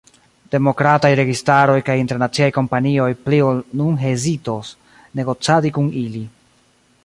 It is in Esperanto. Demokrataj registaroj kaj internaciaj kompanioj pli ol nun hezitos, negocadi kun ili.